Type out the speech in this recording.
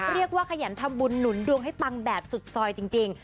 ขยันทำบุญหนุนดวงให้ปังแบบสุดซอยจริง